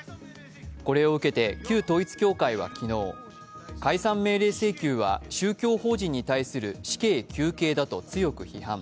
これを受けて、旧統一教会は昨日、解散命令請求は、宗教法人に対する死刑求刑だと強く批判。